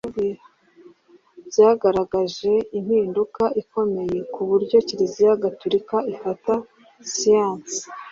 byagaragaje impinduka ikomeye kuburyo kiliziya Gaturika ifata siyansi